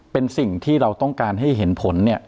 เป็นสิ่งที่เราต้องการให้เห็นผลเนี่ย